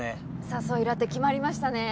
誘いラテ決まりましたね。